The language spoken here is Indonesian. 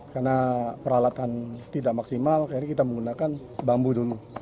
karena peralatan tidak maksimal jadi kita menggunakan bambu dulu